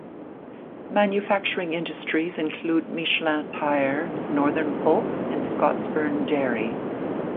Manufacturing industries include Michelin Tire, Northern Pulp and Scotsburn Dairy.